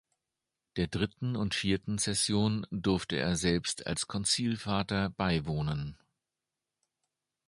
Der dritten und vierten Session durfte er selbst als Konzilsvater beiwohnen.